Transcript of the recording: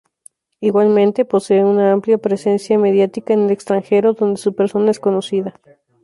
Igualmente, posee una amplia presencia mediática en el extranjero, donde su persona es conocida.